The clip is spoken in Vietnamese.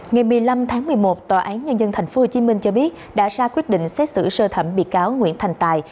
ngày một mươi năm tháng một mươi một tòa án nhân dân thành phố hồ chí minh cho biết đã ra quyết định xét xử sơ thẩm bị cáo nguyễn thành tài